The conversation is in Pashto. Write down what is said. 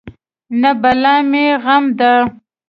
نه بلا مې غم ده.